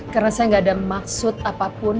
karena saya gak ada maksud apapun